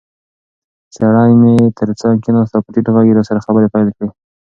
سړی مې تر څنګ کېناست او په ټیټ غږ یې راسره خبرې پیل کړې.